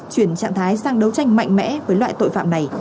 chuyển trạng thái sang đấu tranh mạnh mẽ với loại tội phạm này